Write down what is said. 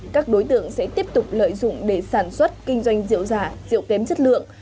các đối tượng sẽ tiếp tục lợi dụng để sản xuất kinh doanh rượu giả rượu kém chất lượng